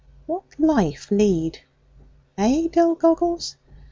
What life lead? eh, dull goggles?